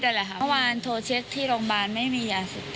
เมื่อวานโทรเช็คที่โรงพยาบาลไม่มียาเสพติด